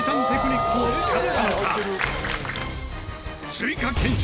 追加検証。